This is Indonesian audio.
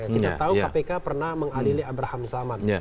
kita tahu kpk pernah mengadili abraham salman